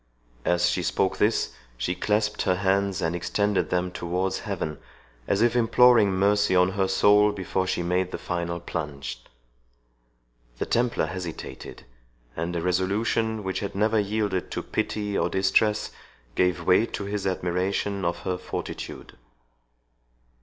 As she spoke this, she clasped her hands and extended them towards heaven, as if imploring mercy on her soul before she made the final plunge. The Templar hesitated, and a resolution which had never yielded to pity or distress, gave way to his admiration of her fortitude.